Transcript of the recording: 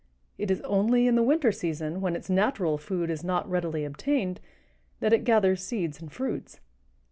It is only in the winter season, when its natural food is not readily obtained, that it gathers seeds and fruits.